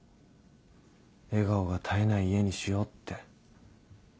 笑顔が絶えない家にしようって。